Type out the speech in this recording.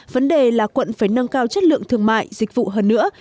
vấn đề là quận phải nâng cao chất lượng thương mại dịch vụ hơn nữa